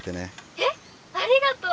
「えっありがとう！」。